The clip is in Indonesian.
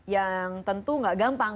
yang tentu tidak gampang